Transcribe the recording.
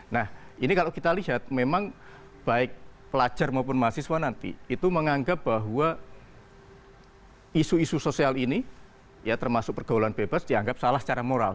nah ini kalau kita lihat memang baik pelajar maupun mahasiswa nanti itu menganggap bahwa isu isu sosial ini ya termasuk pergaulan bebas dianggap salah secara moral